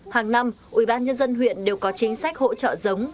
hàng năm ubnd huyện đều có chính sách hỗ trợ giống